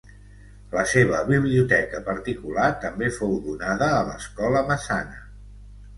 La seva biblioteca particular també fou donada a l’Escola Massana.